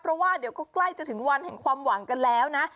เพราะว่าเดี๋ยวก็ใกล้จะถึงวันแห่งความหวังกันแล้วนะ